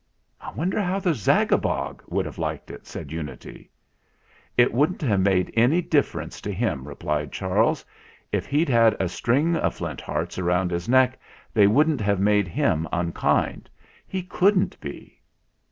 "I wonder how the Zagabog would have liked it ?" said Unity. "It wouldn't have made any difference to him," replied Charles. "If he'd had a string of Flint Hearts round his neck they wouldn't have made him unkind. He couldn't be."